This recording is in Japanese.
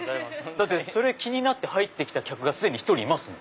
だって気になって入って来た客が既に１人いますもん。